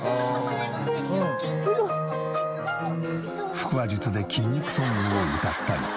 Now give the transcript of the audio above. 腹話術で筋肉ソングを歌ったり。